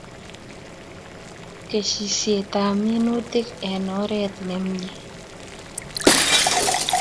Kesishet ab minutik eng oret nimie